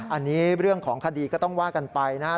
อันนี้เรื่องของคดีก็ต้องว่ากันไปนะครับ